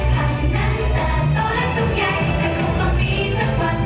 มาปุ่มจากหัวตรอยบนเสียงกัน